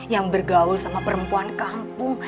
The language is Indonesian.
yang bergaul sama perempuan kampung